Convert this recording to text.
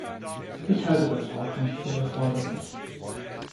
Ich halte das auch nicht für erforderlich.